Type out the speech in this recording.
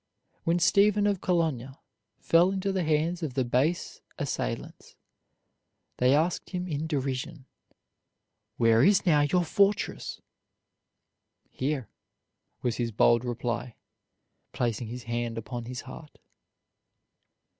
When Stephen of Colonna fell into the hands of base assailants, they asked him in derision, "Where is now your fortress?" "Here," was his bold reply, placing his hand upon his heart.